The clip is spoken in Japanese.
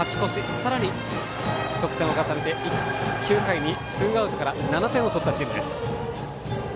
さらに得点を重ねて９回にツーアウトから７点を取ったチームです。